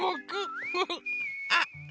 あっ。